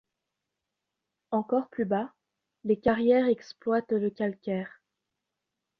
Encore plus bas les carrières exploitent le calcaire.